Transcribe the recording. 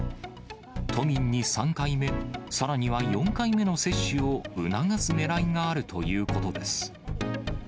都民に３回目、さらには４回目の接種を促すねらいがあるということです。